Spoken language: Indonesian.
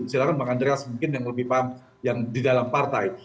silahkan bang andreas mungkin yang lebih paham yang di dalam partai